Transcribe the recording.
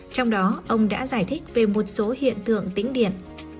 trong đó ông đã giải thích về một số hiện tượng tĩnh điện